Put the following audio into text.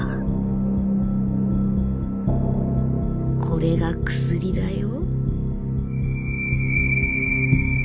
これが薬だよ」。